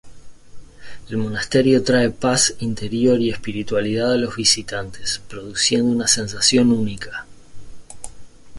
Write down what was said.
El monasterio trae paz interior y espiritualidad a los visitantes, produciendo una sensación única.